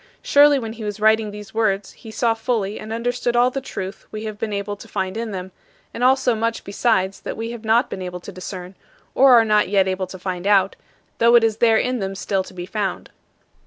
Surely when he was writing these words, he saw fully and understood all the truth we have been able to find in them, and also much besides that we have not been able to discern, or are not yet able to find out, though it is there in them still to be found.